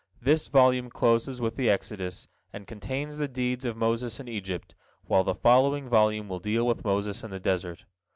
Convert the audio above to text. This volume closes with the Exodus, and contains the deeds of Moses in Egypt, while the following volume will deal with Moses in the desert.